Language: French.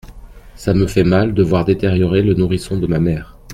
Ca me fait mal de voir détériorer le nourrisson de ma mère.